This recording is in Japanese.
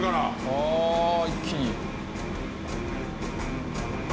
ああ一気に！